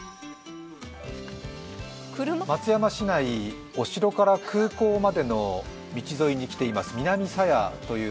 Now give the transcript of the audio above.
松山市内、お城から空港までの道沿いに来ています。